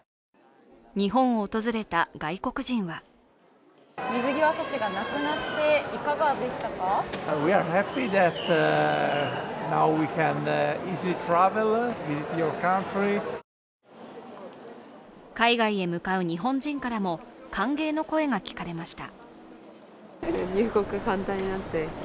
日本を訪れた外国人は海外へ向かう日本人からも歓迎の声が聞かれました。